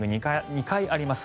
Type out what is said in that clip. ２回あります。